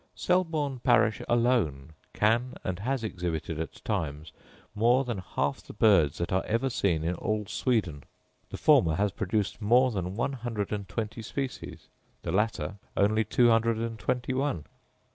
Selborne parish alone can and has exhibited at times more than half the birds that are ever seen in all Sweden; the former has produced more than one hundred and twenty species, the latter only two hundred and twenty one.